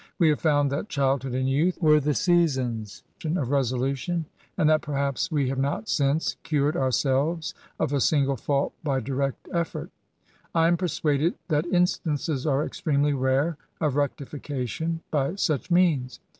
We have found that childhood and jouth were the seasons of resolution^ and that, perhaps, we have not since cored ourselves of a single £ralt by direct e£Ebrt. I am persuaded that instances are extremely rare of rectification by such means.